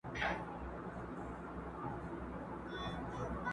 په لغتو مه څیره د خره پالانه!